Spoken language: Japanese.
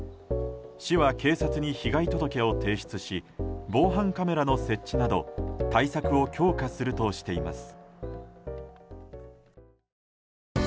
市は警察に被害届を提出し防犯カメラの設置など対策を強化するとしています。